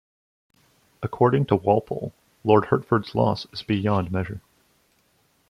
According to Walpole, Lord Hertford's loss is beyond measure.